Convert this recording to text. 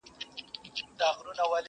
ډیري مو په هیله د شبقدر شوګیرۍ کړي،